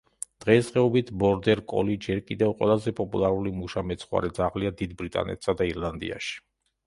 დღესდღეობით ბორდერ კოლი ჯერ კიდევ ყველაზე პოპულარული მუშა მეცხვარე ძაღლია დიდ ბრიტანეთსა და ირლანდიაში.